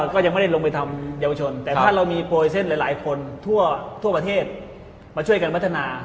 ก็ยังไม่ได้ลงไปทำเยาวชนแต่ถ้าเรามีโปรยเส้นหลายคนทั่วประเทศมาช่วยกันพัฒนา